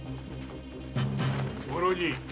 ご老人。